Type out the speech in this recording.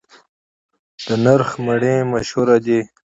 د نرخ مڼې مشهورې دي